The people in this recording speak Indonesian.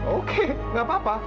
oke gak apa apa